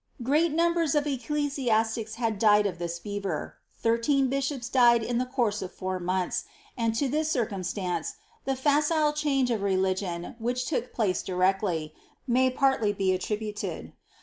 Great numbers of ecclesiastics had died of thia fever ; thirteen bishops died in the course of four months ; and to thia circumstance the facile change of religion, which took place directly, may partly be attributed.